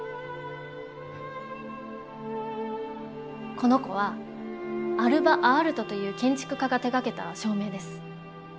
この子はアルヴァ・アアルトという建築家が手がけた照明です。